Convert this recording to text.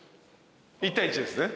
１対１ですね？